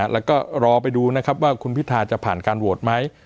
แล้วก็รอไปดูนะครับว่าคุณพิทาจะผ่านการโหวตไหม